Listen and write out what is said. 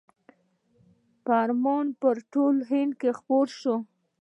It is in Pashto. فرمان په ټول هند کې خپور شو.